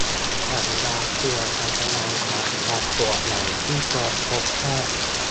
สัญญาณเตือนอันตรายจากการปวดหลังที่ควรพบแพทย์